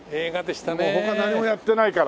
他何もやってないから。